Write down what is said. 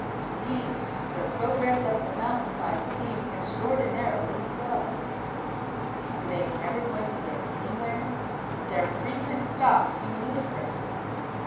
To me their progress up the mountain side seemed extraordinarily slow. Were they never going to get anywhere? Their frequent stops seemed ludicrous.